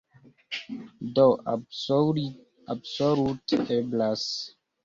Do, absolute eblas.